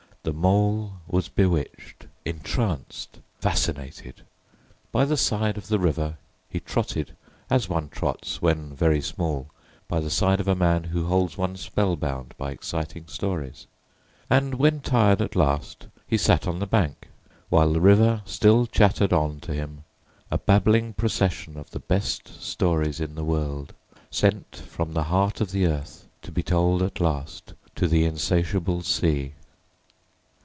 The Mole was bewitched, entranced, fascinated. By the side of the river he trotted as one trots, when very small, by the side of a man who holds one spell bound by exciting stories; and when tired at last, he sat on the bank, while the river still chattered on to him, a babbling procession of the best stories in the world, sent from the heart of the earth to be told at last to the insatiable sea.